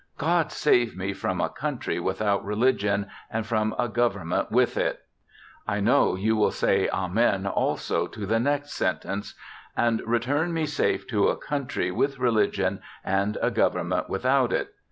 God save me from a country without religion, and from a government ivith it— I know you will say Amen also to the next sentence — and return me safe to a country with religion and a government without it.